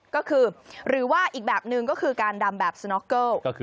ก็คือหรือว่าอีกแบบหนึ่งก็คือการดำแบบสน็อกเกิล